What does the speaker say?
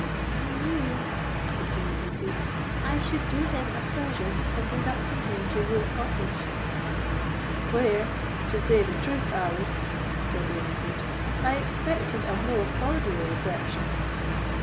"I knew," continued Lucy, "I should do him a pleasure by conducting him to your cottage." "Where, to say the truth, Alice," said Ravenswood, "I expected a more cordial reception."